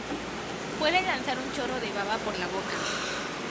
Puede lanzar un chorro de baba por la boca.